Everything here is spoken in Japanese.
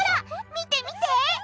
見て見て！